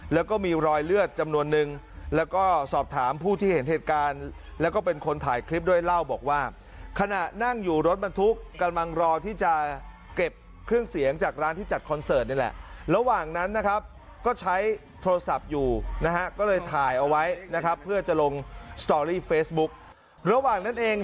แล้วก็มีรอยเลือดจำนวนนึงแล้วก็สอบถามผู้ที่เห็นเหตุการแล้วก็เป็นคนถ่ายคลิปด้วยเล่าบอกว่าขณะนั่งอยู่รถมันทุกกากลมรอที่จะเก็บเครื่องเสียงจากร้านที่จัดคอนเสิร์ตนี่แหละระหว่าง